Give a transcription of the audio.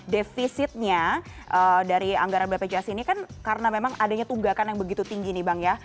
defisitnya dari anggaran bpjs ini kan karena memang adanya tunggakan yang begitu tinggi nih bang ya